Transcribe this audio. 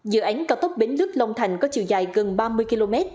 dự ánh cao tốc bến lướt long thành có chiều dài gần ba mươi km